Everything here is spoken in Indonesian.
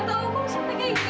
sampai jadi bersih